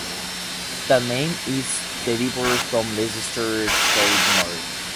The name is derived from "Registered Trademark".